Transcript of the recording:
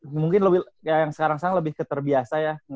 mungkin yang sekarang sekarang lebih keterbiasa ya